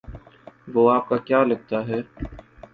وہ آپ کا کیا لگتا ہے؟